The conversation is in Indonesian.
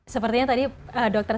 sepertinya tadi dokter